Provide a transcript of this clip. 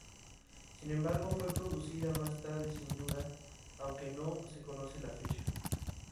Sin embargo fue producida más tarde sin duda, aunque no se conoce la fecha.